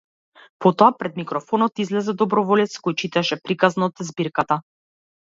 Потоа пред микрофонот излезе доброволец кој читаше приказна од збирката.